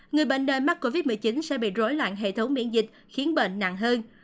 người bệnh nơi mắc covid một mươi chín sẽ bị rối loạn hệ thống miễn dịch khiến bệnh nặng hơn